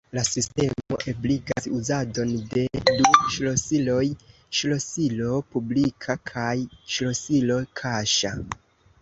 La sistemo ebligas uzadon de du ŝlosiloj: ŝlosilo publika kaj ŝlosilo kaŝa.